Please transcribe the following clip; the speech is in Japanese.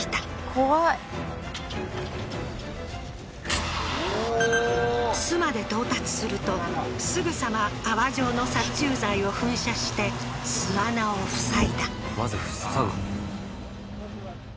怖いうおー巣まで到達するとすぐさま泡状の殺虫剤を噴射して巣穴を塞いだ